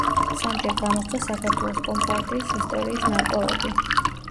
სამჯერ გამოსცა „საქართველოს კომპარტიის ისტორიის ნარკვევები“.